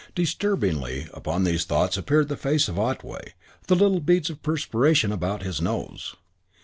Disturbingly upon these thoughts appeared the face of Otway, the little beads of perspiration about his nose.